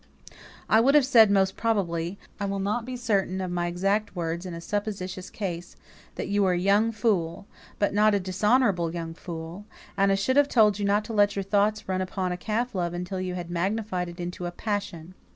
"I would have said, most probably I will not be certain of my exact words in a suppositional case that you were a young fool, but not a dishonourable young fool, and I should have told you not to let your thoughts run upon a calf love until you had magnified it into a passion.